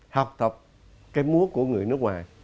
học tập cái múa của người nước ngoài